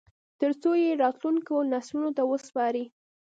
ترڅو یې راتلونکو نسلونو ته وسپاري